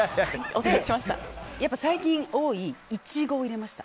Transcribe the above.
やっぱり最近多い１、５を入れました。